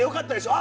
あ！